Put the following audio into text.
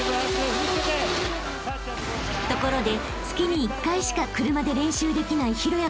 ［ところで］